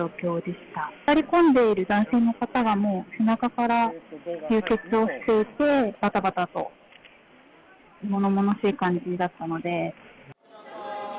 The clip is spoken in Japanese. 座り込んでいる男性の方が、もう背中から流血をしていて、ばたばたとものものしい感じだったので。